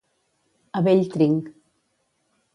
A bell trinc.